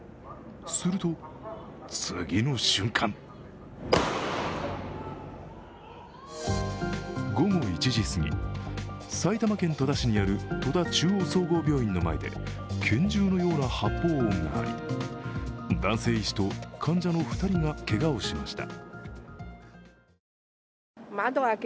すると、次の瞬間午後１時すぎ、埼玉県戸田市にある戸田中央総合病院の前で拳銃のような発砲音があり男性医師と患者の２人がけがをしました。